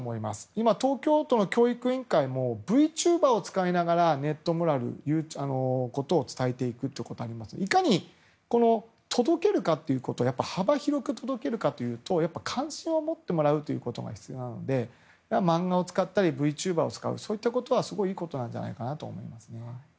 今、東京都の教育委員会もＶチューバーを使いながらネットモラルを伝えていていかに、届けるかということを幅広く届けるかということ関心を持ってもらうことが必要なので漫画を使ったりＶチューバーを使うことはいいことだと思いますね。